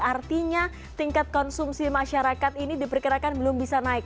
artinya tingkat konsumsi masyarakat ini diperkirakan belum bisa naik